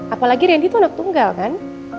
apalagi randy itu anak tunggal kan